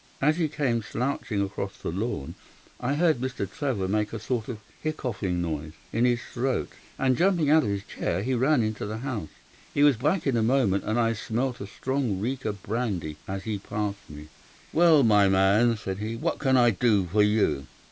As he came slouching across the lawn I heard Mr. Trevor make a sort of hiccoughing noise in his throat, and jumping out of his chair, he ran into the house. He was back in a moment, and I smelt a strong reek of brandy as he passed me. "'Well, my man,' said he, 'what can I do for you?